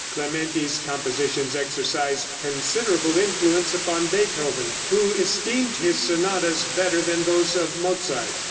Clementi's compositions exercised considerable influence upon Beethoven, who esteemed his sonatas better than those of Mozart.